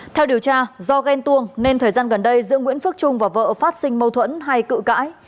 theo điều tra do ghen tuông nên thời gian gần đây giữa nguyễn phước trung và vợ phát sinh mâu thuẫn hay cự cãi